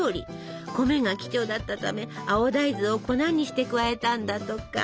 米が貴重だったため青大豆を粉にして加えたんだとか。